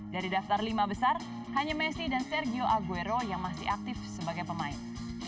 dari daftar lima besar hanya messi dan sergio aguero yang masih aktif sebagai pemain